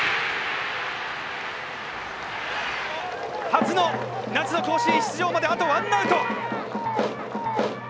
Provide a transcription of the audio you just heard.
初の夏の甲子園出場まであとワンアウト！